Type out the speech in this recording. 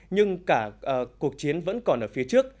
nhưng cả cuộc chiến vẫn còn ở phía trước